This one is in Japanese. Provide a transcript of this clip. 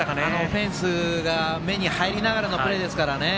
フェンスが目に入りながらのプレーですからね。